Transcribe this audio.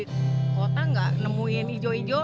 di kota gak nemuin hijau hijau